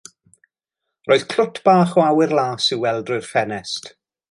Roedd clwt bach o awyr las i'w weld drwy'r ffenest.